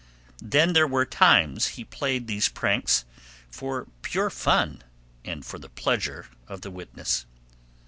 Then there were times he played these pranks for pure fun, and for the pleasure of the witness.